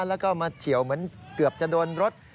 แล้วก็มาเฉียวเหมือนเกือบจะโดนรถ